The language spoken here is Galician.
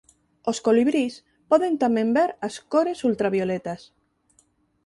Os colibrís poden tamén ver as "cores" ultravioletas.